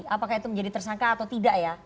apakah itu menjadi tersangka atau tidak ya